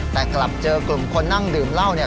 แต่กลับเจอกลุ่มคนนั่งดื่มเหล้าเนี่ย